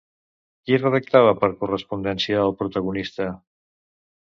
Qui redactava per correspondència al protagonista?